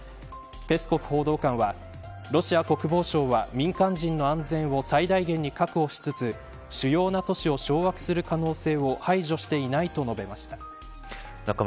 ペスコフ報道官はロシア国防省は民間人の安全を最大限に確保しつつ主要な都市を掌握する可能性を排除していないと述べました。